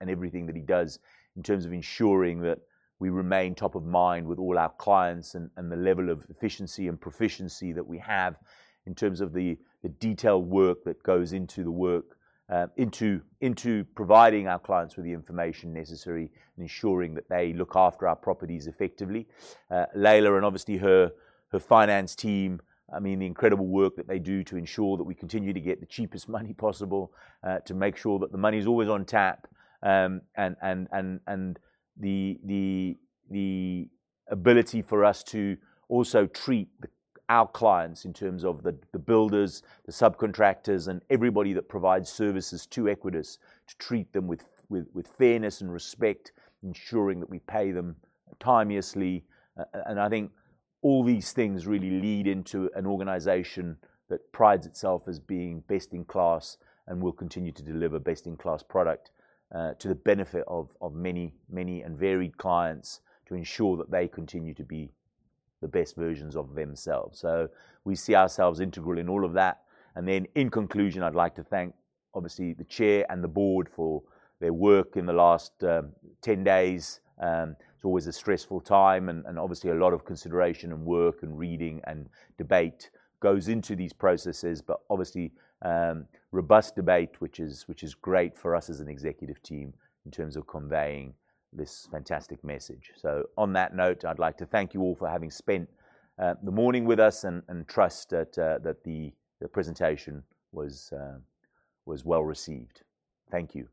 and everything that he does in terms of ensuring that we remain top of mind with all our clients and the level of efficiency and proficiency that we have in terms of the detailed work that goes into providing our clients with the information necessary and ensuring that they look after our properties effectively. Leila and obviously her finance team, I mean, the incredible work that they do to ensure that we continue to get the cheapest money possible, to make sure that the money's always on tap. The ability for us to also treat our clients in terms of the builders, the subcontractors and everybody that provides services to Equites, to treat them with fairness and respect, ensuring that we pay them timeously. I think all these things really lead into an organization that prides itself as being best in class and will continue to deliver best in class product to the benefit of many and varied clients to ensure that they continue to be the best versions of themselves. We see ourselves integral in all of that. In conclusion, I'd like to thank obviously the chair and the board for their work in the last 10 days. It's always a stressful time and obviously a lot of consideration and work and reading and debate goes into these processes. Obviously, robust debate, which is great for us as an executive team in terms of conveying this fantastic message. On that note, I'd like to thank you all for having spent the morning with us and trust that the presentation was well received. Thank you.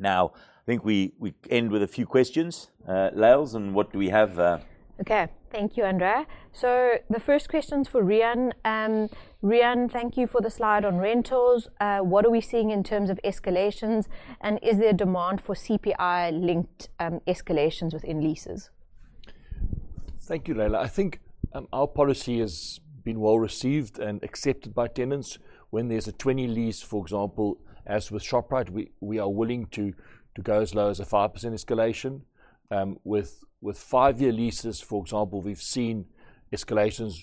Now, I think we end with a few questions. Lals, what do we have? Okay. Thank you, Andrea. The first question's for Rian. Rian, thank you for the slide on rentals. What are we seeing in terms of escalations, and is there demand for CPI-linked escalations within leases? Thank you, Leila. I think our policy has been well received and accepted by tenants. When there's a 20-year lease, for example, as with Shoprite, we are willing to go as low as a 5% escalation. With 5-year leases, for example, we've seen escalations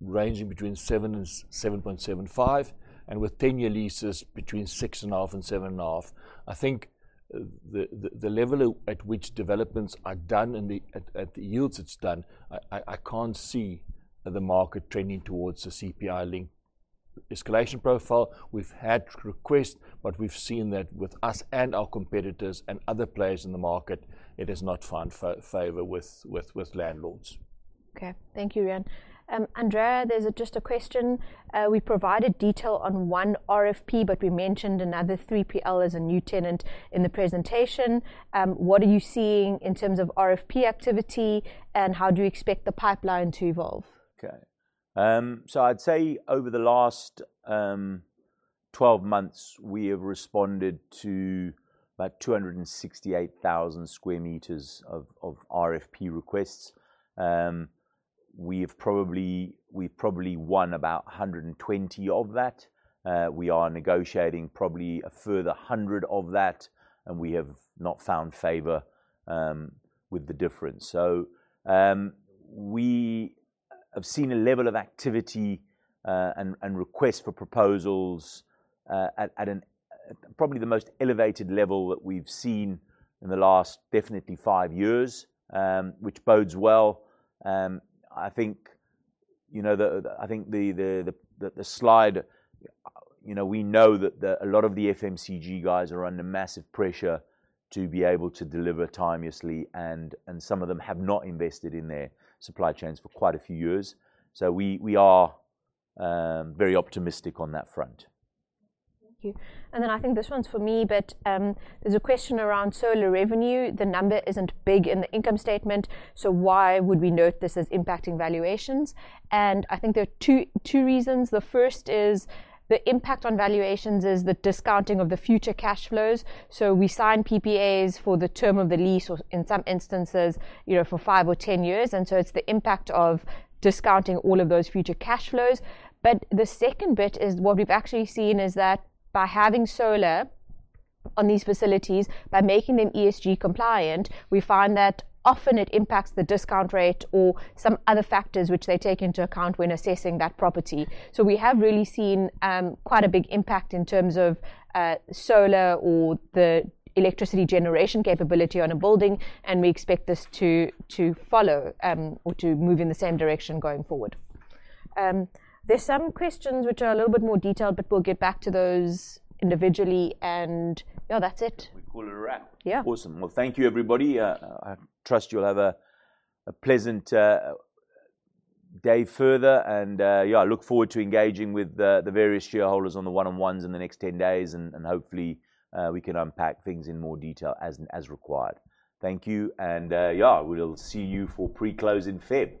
ranging between 7% and 7.75%, and with 10-year leases between 6.5% and 7.5%. I think the level at which developments are done and at the yields it's done. I can't see the market trending towards the CPI link escalation profile. We've had requests, but we've seen that with us and our competitors and other players in the market, it has not found favor with landlords. Okay. Thank you, Rian. Andrea, there's just a question. We provided detail on one RFP, but we mentioned another 3PL as a new tenant in the presentation. What are you seeing in terms of RFP activity, and how do you expect the pipeline to evolve? Okay. I'd say over the last 12 months, we have responded to about 268,000 sq m of RFP requests. We've probably won about 120 of that. We are negotiating probably a further 100 of that, and we have not found favor with the difference. We have seen a level of activity and request for proposals at probably the most elevated level that we've seen in the last definitely 5 years, which bodes well. I think you know the slide you know we know that a lot of the FMCG guys are under massive pressure to be able to deliver timeously, and some of them have not invested in their supply chains for quite a few years. We are very optimistic on that front. Thank you. Then I think this one's for me, but, there's a question around solar revenue. The number isn't big in the income statement, so why would we note this as impacting valuations? I think there are two reasons. The first is the impact on valuations is the discounting of the future cash flows. We sign PPAs for the term of the lease or in some instances, you know, for 5 or 10 years, and so it's the impact of discounting all of those future cash flows. The second bit is what we've actually seen is that by having solar on these facilities, by making them ESG compliant, we find that often it impacts the discount rate or some other factors which they take into account when assessing that property. We have really seen quite a big impact in terms of solar or the electricity generation capability on a building, and we expect this to follow or to move in the same direction going forward. There's some questions which are a little bit more detailed, but we'll get back to those individually. Yeah, that's it. We call it a wrap. Yeah. Awesome. Well, thank you everybody. I trust you'll have a pleasant day further and yeah, I look forward to engaging with the various shareholders on the one-on-ones in the next 10 days and hopefully we can unpack things in more detail as required. Thank you and yeah, we'll see you for pre-close in February.